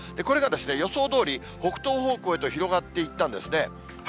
これが予想どおり、北東方向へと広がっていったんですね。